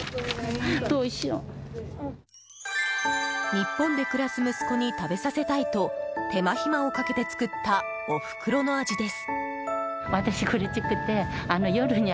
日本で暮らす息子に食べさせたいと手間暇をかけて作ったお袋の味です。